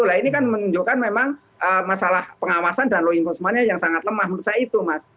nah ini kan menunjukkan memang masalah pengawasan dan low enforcementnya yang sangat lemah menurut saya itu mas